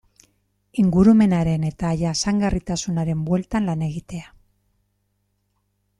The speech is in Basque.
Ingurumenaren eta jasangarritasunaren bueltan lan egitea.